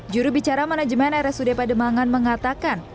juru bicara manajemen rsud pademangan mengatakan